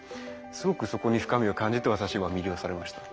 すごくそこに深みを感じて私は魅了されました。